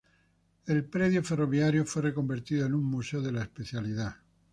El predio ferroviario fue reconvertido en un museo de la especialidad.